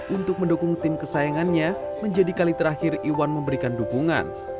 untuk mendukung tim kesayangannya menjadi kali terakhir iwan memberikan dukungan